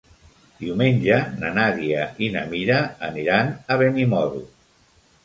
Diumenge na Nàdia i na Mira aniran a Benimodo.